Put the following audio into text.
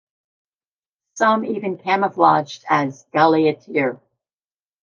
Some even camouflaged as "Gauleiter".